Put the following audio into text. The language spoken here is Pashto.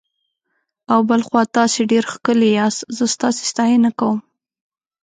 او بل خوا تاسي ډېر ښکلي یاست، زه ستاسي ستاینه کوم.